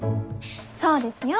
そうですよ。